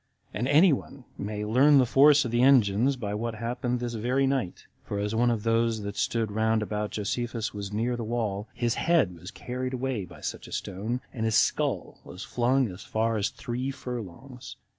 And any one may learn the force of the engines by what happened this very night; for as one of those that stood round about Josephus was near the wall, his head was carried away by such a stone, and his skull was flung as far as three furlongs.